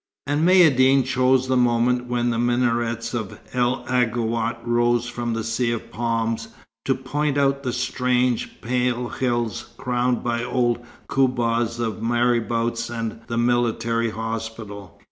And Maïeddine chose the moment when the minarets of El Aghouat rose from a sea of palms, to point out the strange, pale hills crowned by old koubbahs of marabouts and the military hospital.